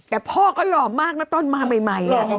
แต่พ่อก็หล่อมากนะตอนมาใหม่